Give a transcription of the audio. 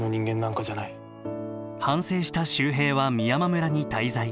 反省した秀平は美山村に滞在。